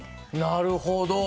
なるほど。